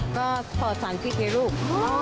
ก็สามารถสั่งพิเศษให้ลูก